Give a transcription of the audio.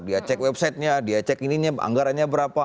dia cek websitenya dia cek ininya anggarannya berapa